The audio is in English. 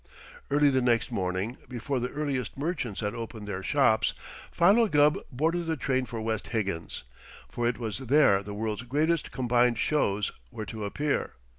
Early the next morning, before the earliest merchants had opened their shops, Philo Gubb boarded the train for West Higgins, for it was there the World's Greatest Combined Shows were to appear.